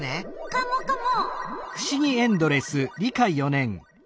カモカモ！